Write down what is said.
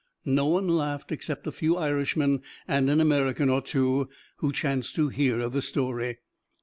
No one laughed except a few Irishmen, and an American or two, who chanced to hear of the story.